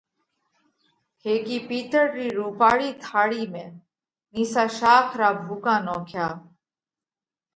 هيڪِي پِيتۯ رِي رُوپاۯِي ٿاۯِي ۾ نِيسا شاک را ڀُوڪا نوکيا